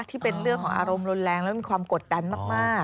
ที่เป็นเรื่องของอารมณ์รุนแรงและมีความกดดันมาก